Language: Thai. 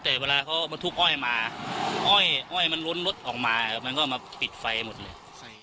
แต่เวลาเขาบรรทุกอ้อยมาอ้อยอ้อยมันล้นรถออกมามันก็มาปิดไฟหมดเลย